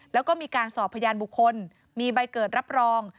แล้วก็มีการสอบพยานบุคคลมีใบเกิดรับรอง